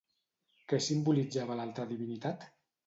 Què simbolitzava l'altra divinitat?